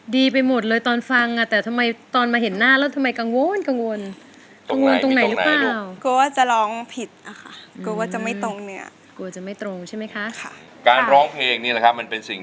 ดีไปหมดเลยตอนฟังแต่ทำไมตอนมาเห็นหน้าทำไมกังวลกังวลตรงไหนลูกเัง